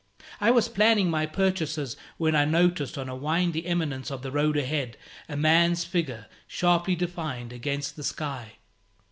I was planning my purchases, when I noticed, on a windy eminence of the road ahead, a man's figure sharply defined against the sky.